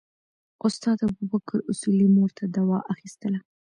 استاد ابوبکر اصولي مور ته دوا اخیستله.